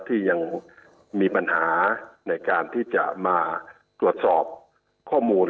ที่ยังมีปัญหาในการที่จะมาตรวจสอบข้อมูล